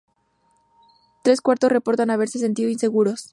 Tres cuartos reportan haberse sentido inseguros.